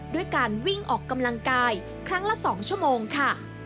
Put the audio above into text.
ด้วยการวิ่งออกกำลังกายครั้งละ๒ชั่วโมงค่ะ